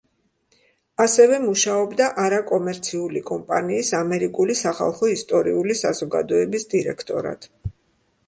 ასევე მუშაობდა არაკომერციული კომპანიის, ამერიკული სახალხო ისტორიული საზოგადოების დირექტორად.